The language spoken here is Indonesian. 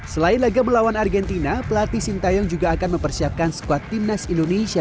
selain laga melawan argentina pelatih sintayong juga akan mempersiapkan skuad timnas indonesia